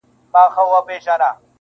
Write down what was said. کاڼي په لمن کي لېوني عجیبه و ویل,